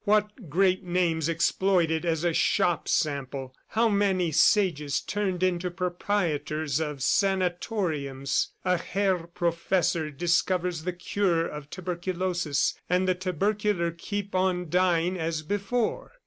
What great names exploited as a shop sample! How many sages turned into proprietors of sanatoriums! ... A Herr Professor discovers the cure of tuberculosis, and the tubercular keep on dying as before.